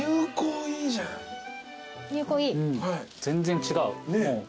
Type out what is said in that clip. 全然違う。